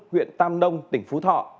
huyện tam nông tỉnh phú thọ